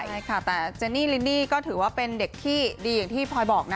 ใช่ค่ะแต่เจนี่ลินนี่ก็ถือว่าเป็นเด็กที่ดีอย่างที่พลอยบอกนะ